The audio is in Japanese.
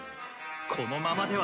このままでは。